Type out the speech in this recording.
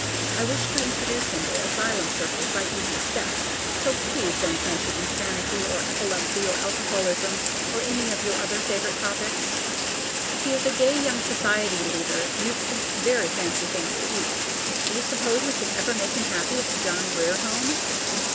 I wish to introduce him to asylum circles by easy steps, so PLEASE don't mention insanity or epilepsy or alcoholism or any of your other favorite topics. He is a gay young society leader, used to very fancy things to eat. Do you suppose we can ever make him happy at the John Grier Home?